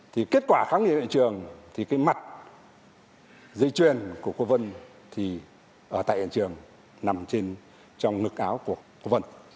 thì kết quả kháng nghiệp hiện trường thì cái mặt dây chuyền của cô vân thì ở tại hiện trường nằm trên trong ngực áo của cô vân